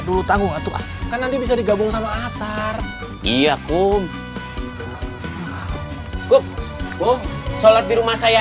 dulu tanggung atuh kan nanti bisa digabung sama asar ia kum kum kum solat di rumah saya